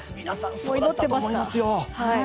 皆さんそうだと思いますよ。